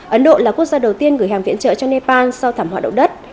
ấn độ là quốc gia đầu tiên gửi hàng viện trợ cho nepal sau thảm họa động đất